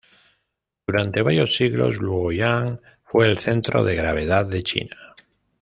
Durante varios siglos, Luoyang fue el centro de gravedad de China.